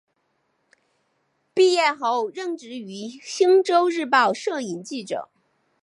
毕业后任职于星洲日报摄影记者。